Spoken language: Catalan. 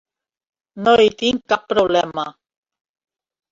No hi tinc cap problema.